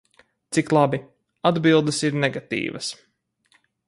Cik labi, atbildes ir negatīvas.